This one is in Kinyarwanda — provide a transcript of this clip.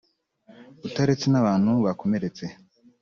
utaretse n’abantu bakomeretse